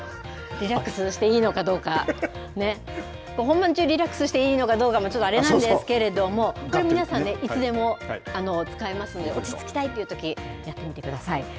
リラックスしていいのかどうか、ね、本番中、リラックスしていいのかどうかもちょっとあれなんですけれども、これ、皆さんね、いつでも使えますので、落ち着きたいというとき、やってみてください。